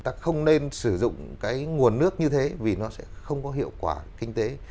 ta không nên sử dụng cái nguồn nước như thế vì nó sẽ không có hiệu quả kinh tế